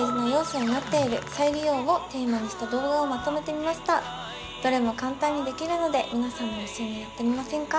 今回はどれも簡単にできるので皆さんも一緒にやってみませんか？